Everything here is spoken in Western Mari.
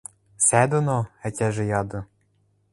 – Сӓ доно? – ӓтяжӹ яды.